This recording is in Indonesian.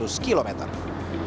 sekitar seratus km